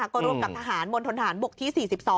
ก็รูปกับทหารบนทนฐานบุคที่๔๒